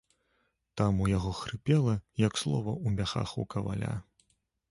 Там у яго хрыпела, як слова ў мяхах у каваля.